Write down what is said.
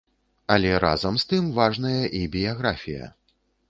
Але разам з тым важная і біяграфія.